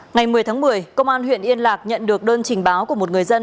ngày một mươi tháng một mươi công an huyện yên lạc nhận được đơn trình báo của một người dân